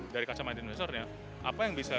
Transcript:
dari kacamata investornya apa yang bisa